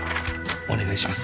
お願いします。